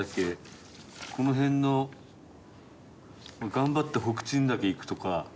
この辺の頑張って北鎮岳行くとか。